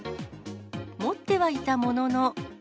持ってはいたものの。